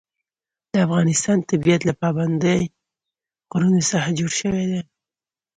د افغانستان طبیعت له پابندی غرونه څخه جوړ شوی دی.